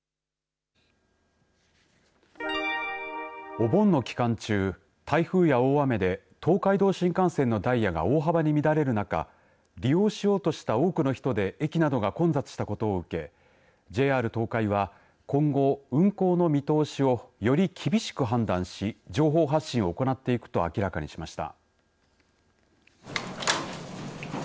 お盆の期間中台風や大雨で東海道新幹線のダイヤが大幅に乱れる中利用しようとした多くの人で駅などが混雑したことを受けＪＲ東海は今後、運行の見通しをより厳しく判断し情報発信を行っていくと明らかにしました。